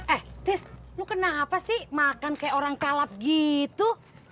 eh tis lu kena apa sih makan kayak orang kalap gitu